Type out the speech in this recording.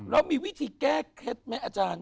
แล้วมีวิธีแก้เคล็ดไหมอาจารย์